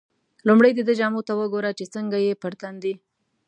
لومړی دده جامو ته وګوره چې څنګه یې پر تن دي.